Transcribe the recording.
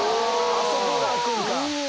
あそこが開くんか！